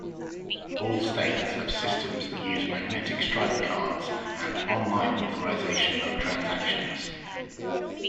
All states have systems that use magnetic stripe cards and "on-line" authorization of transactions.